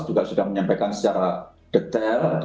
juga sudah menyampaikan secara detail